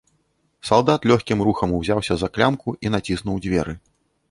Салдат лёгкім рухам узяўся за клямку і націснуў дзверы.